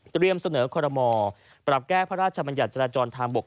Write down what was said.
เสนอคอรมอปรับแก้พระราชบัญญัติจราจรทางบก